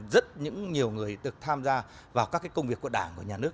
rất nhiều người được tham gia vào các công việc của đảng của nhà nước